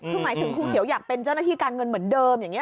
คือหมายถึงครูเขียวอยากเป็นเจ้าหน้าที่การเงินเหมือนเดิมอย่างนี้